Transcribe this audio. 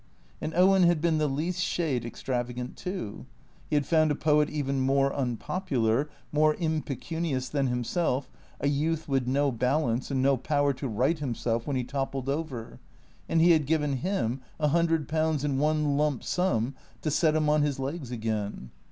And Owen had been the least shade extravagant too. He had found a poet even more unpopular, more impecunious than him self, a youth with no balance, and no power to right himself when he toppled over; and he had given him a hundred pounds in one lump sum to set him on his legs again.